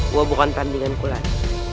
gua bukan tandingan kulan